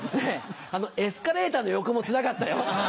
エスカレーターの横もつらかったよ。